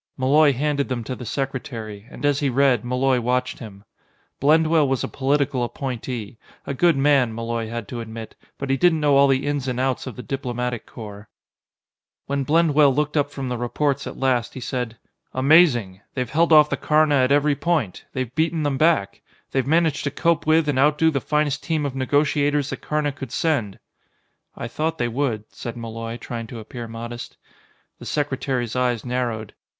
Malloy handed them to the secretary, and as he read, Malloy watched him. Blendwell was a political appointee a good man, Malloy had to admit, but he didn't know all the ins and outs of the Diplomatic Corps. When Blendwell looked up from the reports at last, he said: "Amazing! They've held off the Karna at every point! They've beaten them back! They've managed to cope with and outdo the finest team of negotiators the Karna could send." "I thought they would," said Malloy, trying to appear modest. The secretary's eyes narrowed.